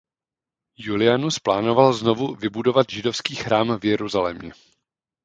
Julianus plánoval znovu vybudovat židovský chrám v Jeruzalémě.